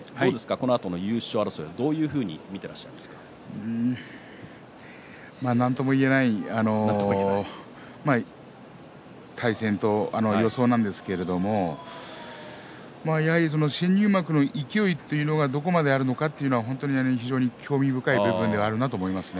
このあとの優勝争いどういうふうになんとも言えない対戦と予想なんですけれどもやはり新入幕の勢いというのがどこまであるのかというのが非常に興味深い部分ではありますね。